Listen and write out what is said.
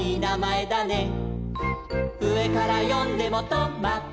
「うえからよんでもト・マ・ト」